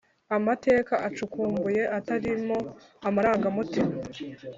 amateka acukumbuye, atarimo amarangamutima.